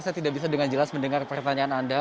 saya tidak bisa dengan jelas mendengar pertanyaan anda